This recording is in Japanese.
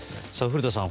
古田さん